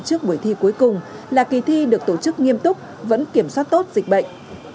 trước buổi thi cuối cùng là kỳ thi được tổ chức nghiêm túc vẫn kiểm soát tốt dịch bệnh